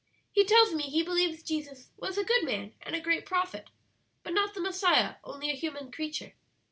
"He tells me he believes Jesus was a good man and a great prophet, but not the Messiah; only a human creature.